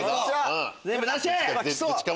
全部出して！